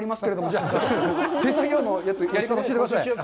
じゃあ、手作業のやつ、やり方、教えてください。